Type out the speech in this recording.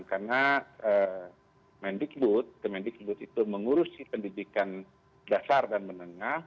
karena mendikbud kemendikbud itu mengurusi pendidikan dasar dan menengah